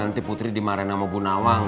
gak usah putri dimarahin sama bu nawang